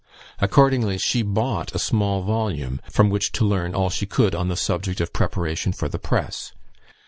Accordingly she bought a small volume, from which to learn all she could on the subject of preparation for the press.